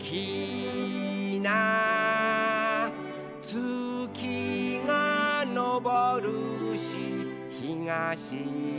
「つきがのぼるしひがしずむ」